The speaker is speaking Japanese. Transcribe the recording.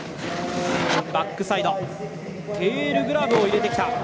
バックサイドテールグラブを入れてきた。